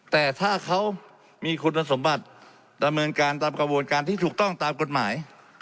แต่ถ้าเขามีคุณสมบัติดำเนินการตามกระบวนการที่ถูกต้องตามกฎหมาย